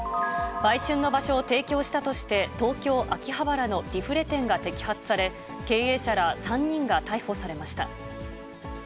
売春の場所を提供したとして、東京・秋葉原のリフレ店が摘発され、経営者ら３人が逮捕されました。